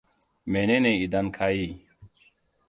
Mene ne idan ka yi?